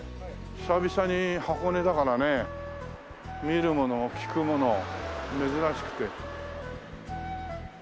久々に箱根だからね見るもの聞くもの珍しくて。